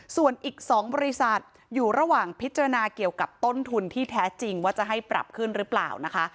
ส่วนอีก๒บริษัทอยู่ระหว่างพิจารณาเกี่ยวกับต้นทุนที่แท้จริงว่าจะให้ปรับขึ้นหรือเปล่านะคะ